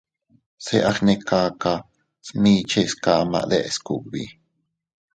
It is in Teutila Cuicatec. Se a gnekaka smiche kama deʼes kugbi.